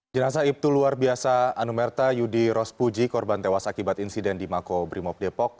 jenazah ibtu luar biasa anumerta yudi rospuji korban tewas akibat insiden di mako brimob depok